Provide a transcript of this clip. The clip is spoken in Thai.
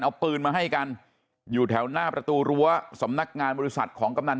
เอาปืนมาให้กันอยู่แถวหน้าประตูรั้วสำนักงานบริษัทของกำนัน